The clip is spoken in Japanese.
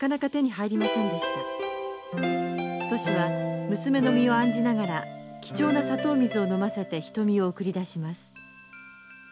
トシは娘の身を案じながら貴重な砂糖水を飲ませて牟を送り出します。